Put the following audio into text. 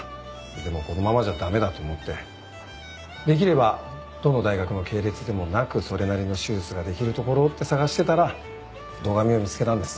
でもこのままじゃ駄目だと思ってできればどの大学の系列でもなくそれなりの手術ができる所って探してたら堂上を見つけたんです。